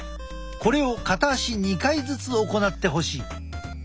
これを片足２回ずつ行ってほしい。